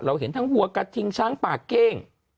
เห็นทั้งวัวกระทิงช้างป่าเก้ง